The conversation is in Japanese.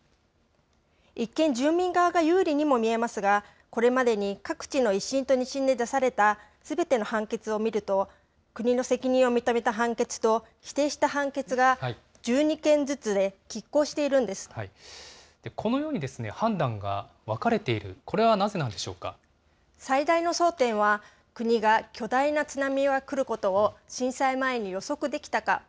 一見、住民側が有利にも見えますが、これまでに各地の１審と２審で出されたすべての判決を見ると、国の責任を認めた判決と、否定した判決が１２件ずつできっ抗してこのように判断が分かれてい最大の争点は、国が巨大な津波が来ることを震災前に予測できたか。